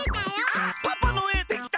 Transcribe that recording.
あっパパの絵できた？